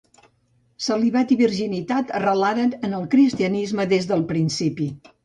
Celibat i virginitat arrelaren en el cristianisme des del principi.